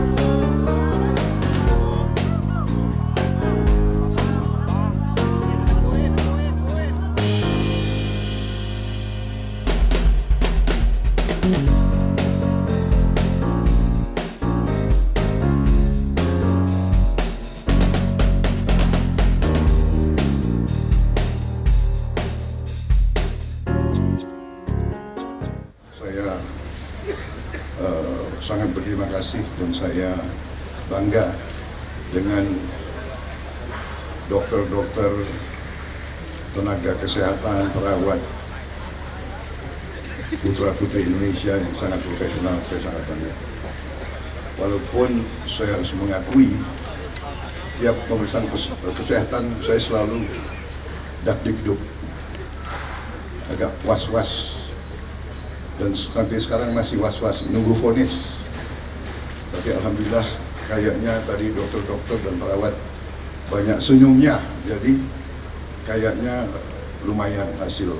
jangan lupa like share dan subscribe channel ini untuk dapat info terbaru dari kami